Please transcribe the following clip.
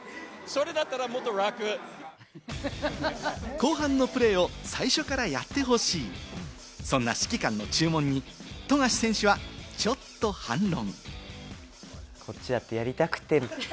後半のプレーを最初からやってほしい、そんな指揮官の注文に富樫選手はちょっと反論。